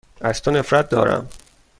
از تو نفرت دارم.